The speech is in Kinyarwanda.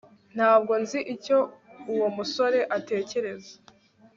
ntabwo nzi icyo uwo musore atekereza